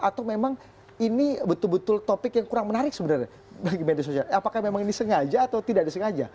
atau memang ini betul betul topik yang kurang menarik sebenarnya bagi media sosial apakah memang ini sengaja atau tidak disengaja